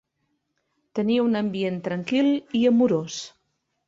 Tenia un ambient tranquil i amorós.